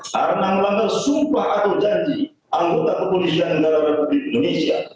karena melanggar sumpah atau janji anggota kepolisian negara republik indonesia